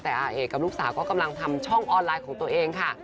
แต่อาเอกกับลูกสาวก็กำลังทำช่องออนไลน์ของตัวเองค่ะ